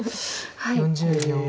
４０秒。